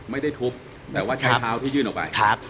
ไม่ได้ทุบแต่ว่าใช้เท้าที่ยื่นออกไป